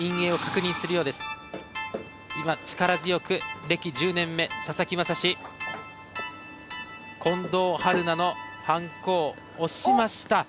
今力強く歴１０年目佐々木真志近藤春菜のハンコを押しました。